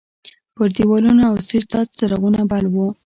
پر دیوالونو او سټیج تت څراغونه بل وو.